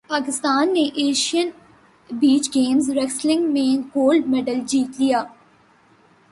پاکستان نےایشئین beach games wrestling میں gold medal جیت لیا